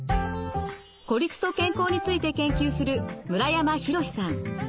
孤立と健康について研究する村山洋史さん。